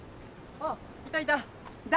あっいたいた弾！